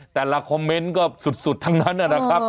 แต่ละคอมเมนต์ก็สุดทั้งนั้นนะครับ